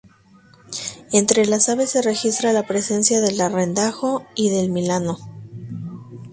Entre las aves se registra la presencia del arrendajo y del milano.